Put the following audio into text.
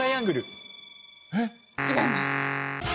違います。